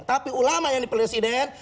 tapi ulama yang dipilih presiden